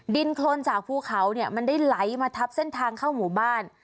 โครนจากภูเขาเนี่ยมันได้ไหลมาทับเส้นทางเข้าหมู่บ้าน